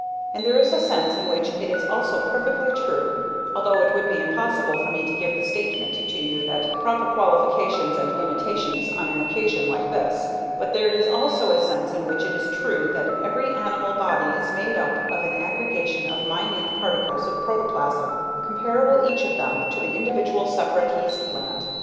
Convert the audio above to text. And there is a sense in which it is also perfectly true although it would be impossible for me to give the statement to you with proper qualifications and limitations on an occasion like this but there is also a sense in which it is true that every animal body is made up of an aggregation of minute particles of protoplasm, comparable each of them to the individual separate yeast plant.